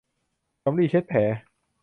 สำลีเช็ดแผล